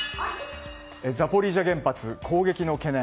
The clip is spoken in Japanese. ザポリージャ原発、攻撃の懸念。